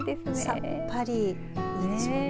さっぱりでしょうね。